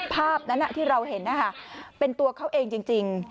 ภาพนั้นที่เราเห็นนะคะเป็นตัวเขาเองจริง